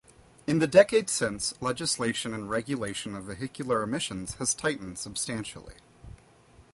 In the decades since, legislation and regulation of vehicular emissions has tightened substantially.